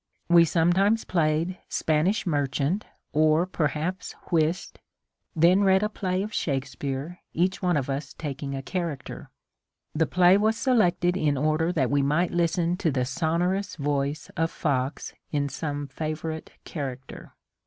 We sometimes played ^^ Spanish Merchant," or perhaps whist ; then read a play of Shakespeare, each one of us taking a character. The play was selected in order that we might listen to the sonorous voice of Fox in some favourite charac ter.